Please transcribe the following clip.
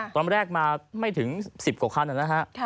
ตอนแรกมาไม่ถึง๑๐กว่าคันอยู่ในนี้นะครับ